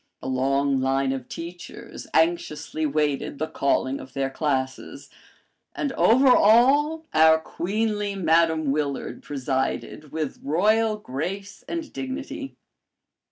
A long line of teachers anxiously waited the calling of their classes, and over all, our queenly Madame Willard presided with royal grace and dignity.